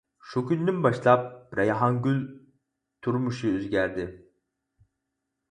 شۇ كۈندىن باشلاپ، رەيھانگۈل تۇرمۇشى ئۆزگەردى.